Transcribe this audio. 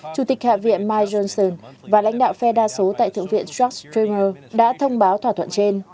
chủ tịch hạ viện mike johnson và lãnh đạo phe đa số tại thượng viện chuck schumer đã thông báo thỏa thuận trên